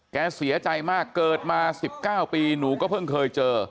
เสียใจมากเกิดมา๑๙ปีหนูก็เพิ่งเคยเจอ